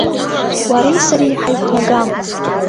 Уареи сареи ҳаиқәнагам.